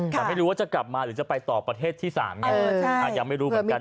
แต่ไม่รู้ว่าจะกลับมาหรือจะไปต่อประเทศที่๓ไงยังไม่รู้เหมือนกัน